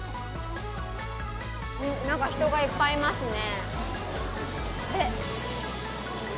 何か人がいっぱいいますね。